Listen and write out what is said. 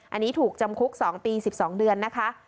อันนี้ถูกจำคุก๒ปี๑๒เดือนนะคะ